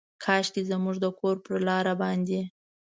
کاشکي زموږ د کور پر لاره باندې،